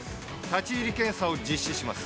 立ち入り検査を実施します。